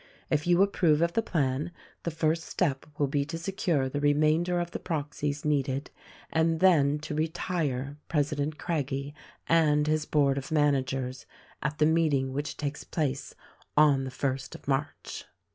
If you approve of the plan the first step will be to secure the remainder of the proxies needed and then to retire President Craggie and his board of managers — at the meeting which takes place on the first of March."